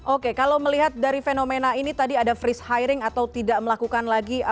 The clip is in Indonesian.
oke kalau melihat dari fenomena ini tadi ada freeze hiring atau tidak melakukan lagi